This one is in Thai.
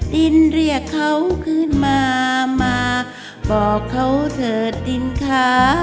ดินเรียกเขาขึ้นมามาบอกเขาเถิดดินค้า